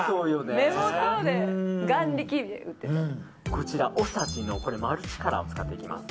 こちらＯＳＡＪＩのマルチカラーを使っていきます。